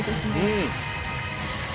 うん！